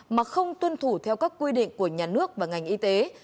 mà không tuân thủ theo các quy định của nhà nước và ngành y tế